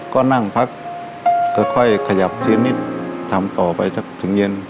ก็นั่งพักค่อยขยับเสียนิดทำต่อไปสักถึงเย็น